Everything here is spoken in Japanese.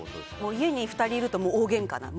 家に２人いると大げんか。